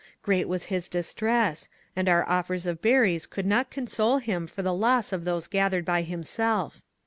Great was his distress, and our offers of berries could not console him for the loss of those gathered by him self.